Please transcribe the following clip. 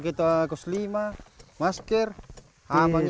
kita akan memakai masker kain dan kain